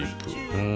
うん。